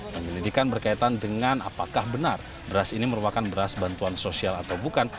penyelidikan berkaitan dengan apakah benar beras ini merupakan beras bantuan sosial atau bukan